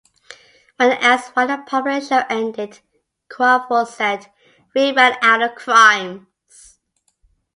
When asked why the popular show ended, Crawford said, "We ran out of crimes".